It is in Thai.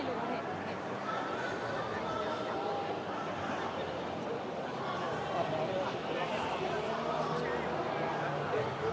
สวัสดีครับ